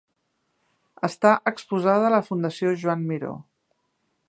Està exposada a la Fundació Joan Miró.